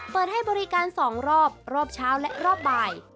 เปิดให้บริการ๒รอบรอบเช้าและรอบบ่าย